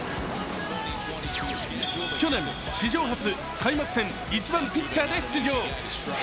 去年、史上初開幕戦、１番・ピッチャーで出場。